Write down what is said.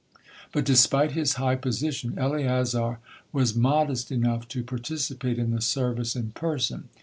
But despite his high position, Eleazar was modest enough to participate in the service in person.